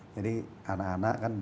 jadi anak anak kan